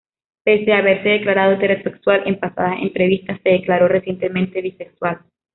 Pese a haberse declarado heterosexual en pasadas entrevistas, se declaró recientemente bisexual.